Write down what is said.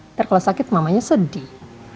ntar kalau sakit mamanya sedih